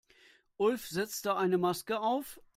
Ulf setzte eine Maske auf.